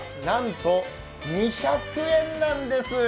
なんと２００円なんです